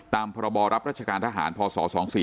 ตามพรับรัฐการทหารพศ๒๔๙๗